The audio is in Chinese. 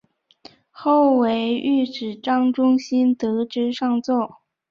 后为御史张仲炘得知上奏。